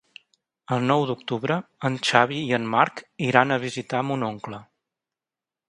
El nou d'octubre en Xavi i en Marc iran a visitar mon oncle.